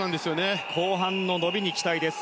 後半の伸びに期待です。